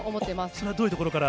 それはどういうところから。